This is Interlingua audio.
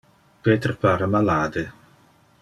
Peter pare malade.